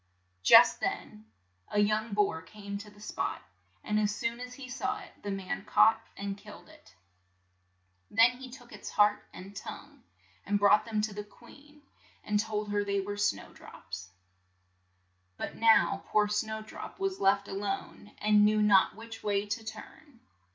Just then a young boar came to the spot, and as soon as he saw it the man caught and killed it. Then Lin le snowdrop 67 he took its heart and tongue, and brought them to the queen, and told her they were Snow drop's. But now poor Snow drop was left a lone, and knew not which way to turn.